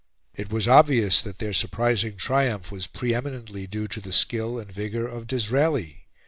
It was obvious that their surprising triumph was pre eminently due to the skill and vigour of Disraeli.